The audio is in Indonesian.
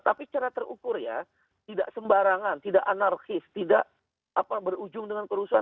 tapi secara terukur ya tidak sembarangan tidak anarkis tidak berujung dengan kerusuhan